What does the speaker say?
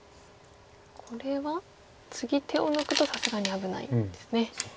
これは次手を抜くとさすがに危ないんですね。